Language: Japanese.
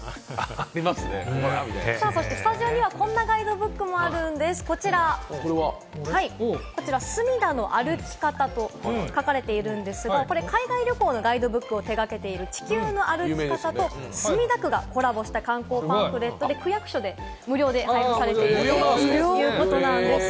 スタジオにはこんなガイドブックもあるんです、こちら、こちら、『すみだの歩き方』と書かれているんですが、これ、海外旅行のガイドブックを手がけている『地球の歩き方』と、墨田区がコラボした観光パンフレットで区役所で無料で配布されているということなんです。